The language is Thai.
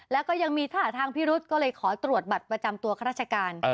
แล้วก็ยังมีท่าทางพิรุษก็เลยขอตรวจบัตรประจำตัวข้าราชการ